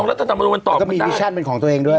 รัฐธรรมนุมมันตอบมันได้มันก็มีวิชั่นเป็นของตัวเองด้วย